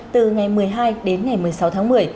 từ ngày một mươi hai đến ngày một mươi sáu tháng một mươi